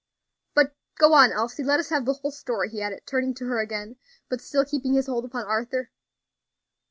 "But go on, Elsie, let us have the whole story," he added, turning to her again, but still keeping his hold upon Arthur.